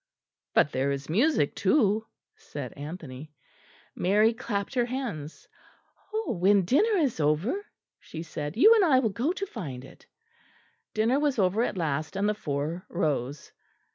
"But there is music too," said Anthony. Mary clapped her hands. "When dinner is over," she said, "you and I will go to find it." Dinner was over at last, and the four rose.